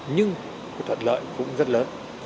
nhưng cái thuận lợi cũng rất lớn